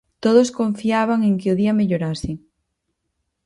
Todos confiaban en que o día mellorase.